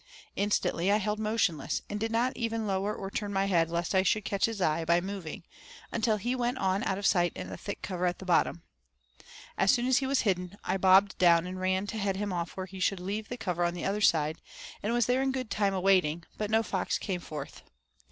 Instantly I held motionless, and did not even lower or turn my head lest I should catch his eye by moving, until he went on out of sight in the thick cover at the bottom. As soon as he was hidden I bobbed down and ran to head him off where he should leave the cover on the other side, and was there in good time awaiting, but no fox came forth.